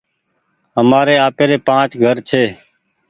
همآري آپيري پآنچ گهر ڇي۔